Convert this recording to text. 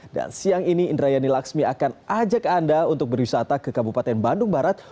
dan siang ini indrayani laksmi akan ajak anda untuk berwisata ke kabupaten bandung barat